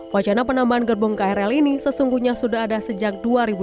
wacana penambahan gerbong krl ini sesungguhnya sudah ada sejak dua ribu dua puluh